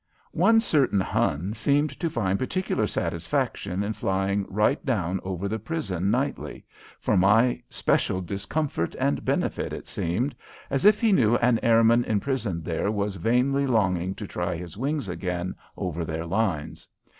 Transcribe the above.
One certain Hun seemed to find particular satisfaction in flying right down over the prison nightly, for my special discomfort and benefit it seemed, as if he knew an airman imprisoned there was vainly longing to try his wings again over their lines.